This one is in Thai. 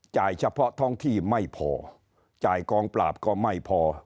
เฉพาะท้องที่ไม่พอจ่ายกองปราบก็ไม่พอ